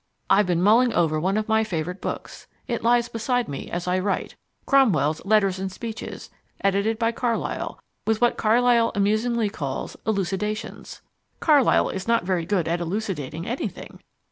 I've been mulling over one of my favourite books it lies beside me as I write Cromwell's Letters and Speeches, edited by Carlyle, with what Carlyle amusingly calls "Elucidations." (Carlyle is not very good at "elucidating" anything!)